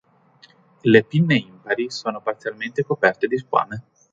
Le pinne impari sono parzialmente coperte di squame.